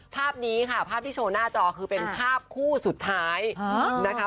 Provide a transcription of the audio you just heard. ภาพนี้ค่ะภาพที่โชว์หน้าจอคือเป็นภาพคู่สุดท้ายนะคะ